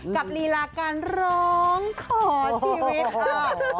กับฤลาการร้องขอชีวิต